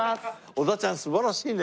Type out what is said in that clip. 織田ちゃん素晴らしいね。